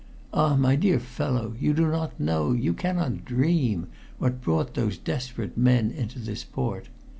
Ah! my dear fellow, you do not know you cannot dream what brought those desperate men into this port.